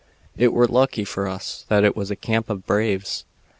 "It were lucky for us that it was a camp of braves.